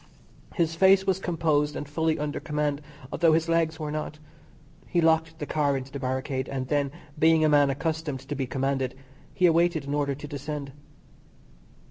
His face was composed and fully under command, although his legs were not. He locked the car into the barricade, and then, being a man accustomed to be commanded, he awaited an order to descend.